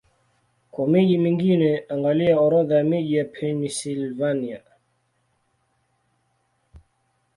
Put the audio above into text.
Kwa miji mingine, angalia Orodha ya miji ya Pennsylvania.